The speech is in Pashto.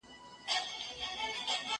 کتاب د زده کوونکي له خوا ليکل کيږي!؟